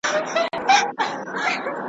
خو د دې قوم د یو ځای کولو `